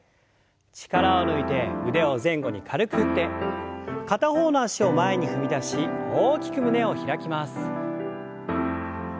力を抜いて腕を前後に軽く振って片方の脚を前に踏み出し大きく胸を開きます。